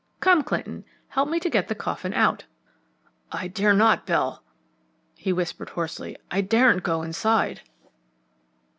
Come, Clinton, help me to get the coffin out." "I dare not, Bell," he whispered hoarsely. "I daren't go inside."